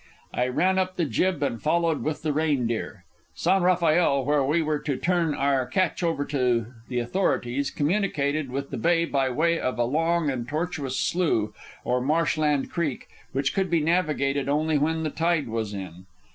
I ran up the jib and followed with the Reindeer. San Rafael, where we were to turn our catch over to the authorities, communicated with the bay by way of a long and tortuous slough, or marshland creek, which could be navigated only when the tide was in.